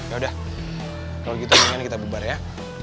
yaudah kalo gitu nian kita berbar ya